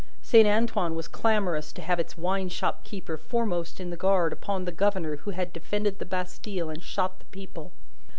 Saint Antoine was clamorous to have its wine shop keeper foremost in the guard upon the governor who had defended the Bastille and shot the people.